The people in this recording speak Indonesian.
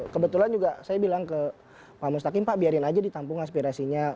kebetulan juga saya bilang ke pak mustaqim pak biarin aja ditampung aspirasinya